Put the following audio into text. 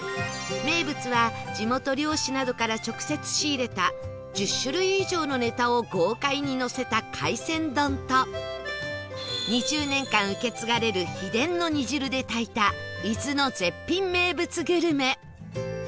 名物は地元漁師などから直接仕入れた１０種類以上のネタを豪快にのせた海鮮丼と２０年間受け継がれる秘伝の煮汁で炊いた伊豆の絶品名物グルメ